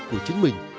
của chính mình